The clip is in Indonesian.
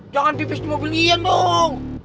jangan divest di mobil iyan dong